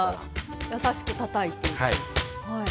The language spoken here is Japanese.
優しくたたいて。